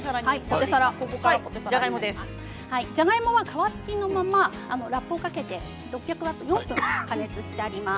じゃがいもは皮付きのままラップをかけて加熱してあります。